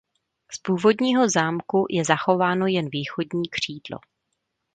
Z původního zámku je zachováno jen východní křídlo.